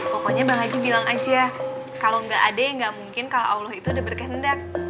pokoknya bang haji bilang aja kalau nggak ada ya nggak mungkin kalau allah itu udah berkehendak